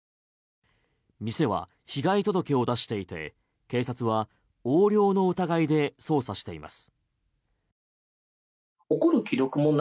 店は被害届を出していて警察は横領の疑いで捜査しています。